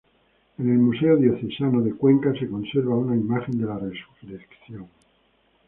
En el Museo Diocesano de Cuenca se conserva una imagen de "La Resurrección".